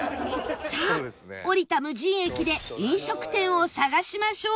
さあ降りた無人駅で飲食店を探しましょう